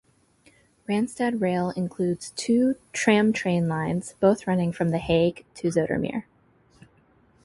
RandstadRail includes two tram-train lines, both running from The Hague to Zoetermeer.